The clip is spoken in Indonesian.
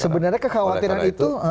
sebenarnya kekhawatiran itu